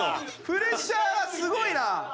プレッシャーがすごいな！